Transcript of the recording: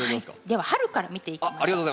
では春から見ていきましょう。